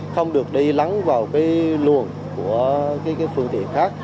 không được đi lắng vào cái luồng của cái phương tiện khác